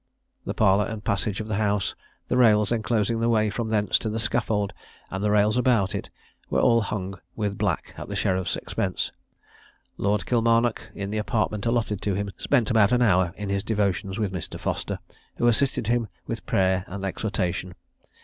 The parlour and passage of the house, the rails enclosing the way from thence to the scaffold, and the rails about it, were all hung with black at the sheriffs' expense. Lord Kilmarnock, in the apartment allotted to him, spent about an hour in his devotions with Mr. Foster, who assisted him with prayer and exhortation.